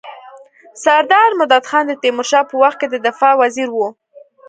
سردار مددخان د تيمورشاه په وخت کي د دفاع وزیر وو.